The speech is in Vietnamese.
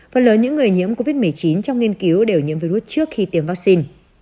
phần lớn những người nhiễm covid một mươi chín trong nghiên cứu đều nhiễm virus trước khi tiêm vaccine